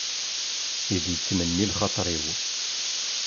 I d-yettmenni lxaṭer-iw.